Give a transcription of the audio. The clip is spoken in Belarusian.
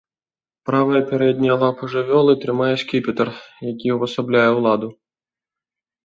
Правая пярэдняя лапа жывёлы трымае скіпетр, які ўвасабляе ўладу.